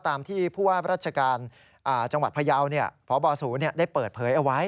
ตามที่รัชกาลจังหวัดพยาวพบศูนย์ได้เปิดเผยเอาไว้